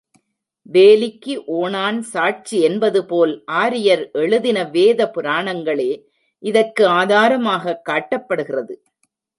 வேலிக்கு ஓணான் சாட்சி என்பதுபோல் ஆரியர் எழுதின வேத புராணங்களே இதற்கு ஆதாரமாகக் காட்டப்படுகிறது.